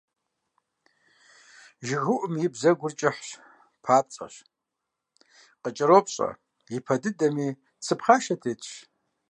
ЖыгыуӀум и бзэгур кӀыхыц, папцӀэщ, къыкӀэропщӀэ, и пэ дыдэм цы пхъашэ тетщ.